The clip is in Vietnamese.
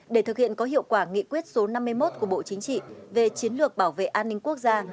để thực hiện có hiệu quả nghị quyết số năm mươi một của bộ chính trị về chiến lược bảo vệ an ninh quốc gia